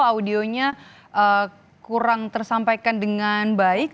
audio nya kurang tersampaikan dengan baik